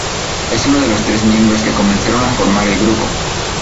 Es uno de los tres miembros que comenzaron a formar el grupo.